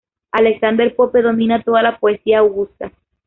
Alexander Pope domina toda la poesía augusta.